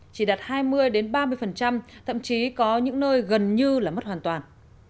chỉ đạt hai mươi ba mươi thậm chí có những nơi gần như là mất hoàn toàn